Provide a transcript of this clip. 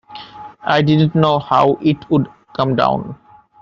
I didn't know how it would come down.